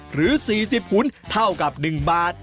หรือ๔๐หุ่นเท่ากับ๑บาท